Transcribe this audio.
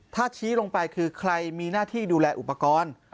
ถ้าชี้ลงไปคือใครมีหน้าที่ดูแลอุปกรณ์